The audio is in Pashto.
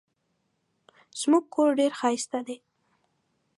زموږ کور ډېر ښایسته دی.